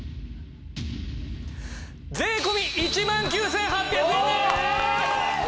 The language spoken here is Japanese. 税込１万９８００円です！